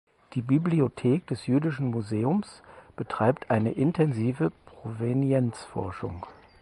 Die Bibliothek des Jüdisches Museums betreibt eine intensive Provenienzforschung.